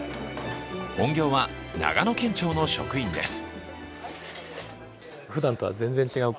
本業は長野県庁の職員です。